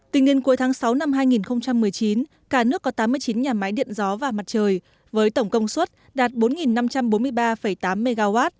tính đến cuối tháng sáu năm hai nghìn một mươi chín cả nước có tám mươi chín nhà máy điện gió và mặt trời với tổng công suất đạt bốn năm trăm bốn mươi ba tám mw